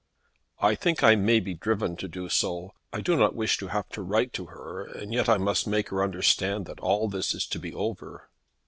"I think I may be driven to do so. I do not wish to have to write to her, and yet I must make her understand that all this is to be over."